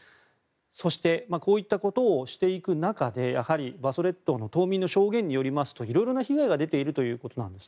そしてこういったことをしていく中で馬祖列島の島民の証言によりますと色々な被害が出ているということです。